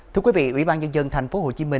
thưa quý vị ủy ban nhân dân tp hcm